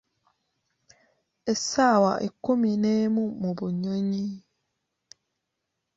Essaawa ekkumi n'emu mu bunyonyi .